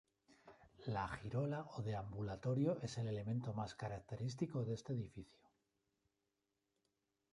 La girola o deambulatorio es el elemento más característico de este edificio.